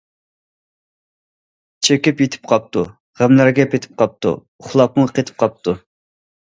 چېكىپ يېتىپ قاپتۇ، غەملەرگە پېتىپ قاپتۇ، ئۇخلاپمۇ قېتىپ قاپتۇ.